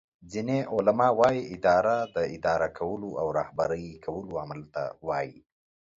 ځینی علما وایې اداره داداره کولو او رهبری کولو عمل ته وایي